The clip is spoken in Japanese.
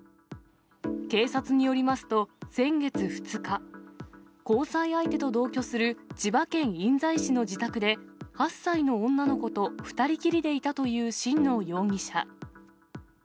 警察によりますと、先月２日、交際相手と同居する千葉県印西市の自宅で、８歳の女の子と２人きりでいたという新納容疑者。